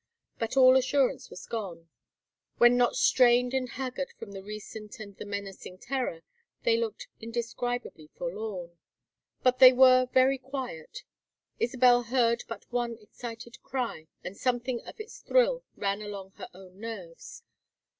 But all assurance was gone; when not strained and haggard from the recent and the menacing terror, they looked indescribably forlorn. But they were very quiet. Isabel heard but one excited cry, and something of its thrill ran along her own nerves.